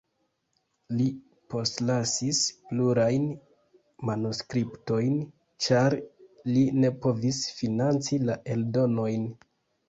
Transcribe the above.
Li postlasis plurajn manuskriptojn, ĉar li ne povis financi la eldonojn.